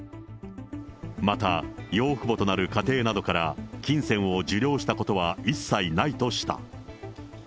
また養父母となる家庭などから、金銭を受領したことは一切ないとした。